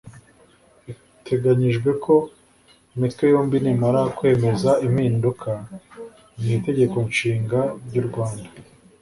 Biteganyijwe ko imitwe yombi nimara kwemeza impinduka mu Itegeko Nshinga ry’u Rwanda